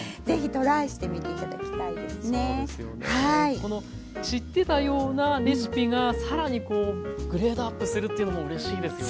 この知ってたようなレシピが更にこうグレードアップするっていうのもうれしいですよね。